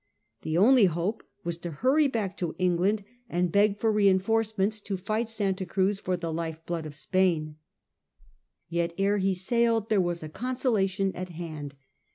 The only hope was to hurry back to England and beg for IX THE GREAT CARACK 129 reinforcements to fight Santa Cruz for the life blood of Spain. Yet ere he sailed there was a consolation at hand.